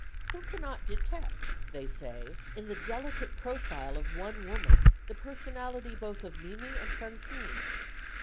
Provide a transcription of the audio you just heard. "Who cannot detect," they say, "in the delicate profile of one woman the personality both of Mimi and Francine?